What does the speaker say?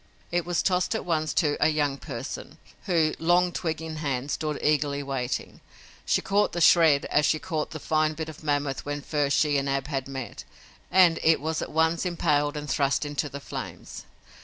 It was tossed at once to a young person who, long twig in hand, stood eagerly waiting. She caught the shred as she had caught the fine bit of mammoth when first she and Ab had met, and it was at once impaled and thrust into the flames.